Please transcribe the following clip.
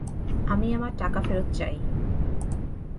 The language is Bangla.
আমি আমার টাকা ফেরত চাই।